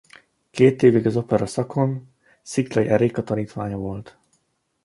Két évig az opera szakon Sziklay Erika tanítványa volt.